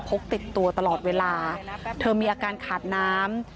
พกติดตัวตลอดเวลาเธอมีอาการขาดน้ำ